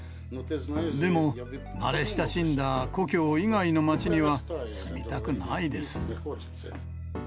でも慣れ親しんだ故郷以外の街には住みたくないです。